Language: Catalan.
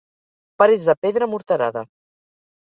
Parets de pedra morterada.